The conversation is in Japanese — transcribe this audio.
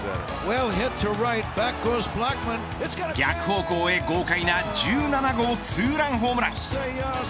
逆方向へ豪快な１７号ツーランホームラン。